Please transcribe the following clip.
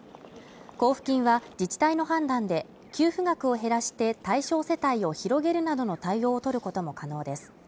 交付金は自治体の判断で給付額を減らして対象世帯を広げるなどの対応をとることも可能です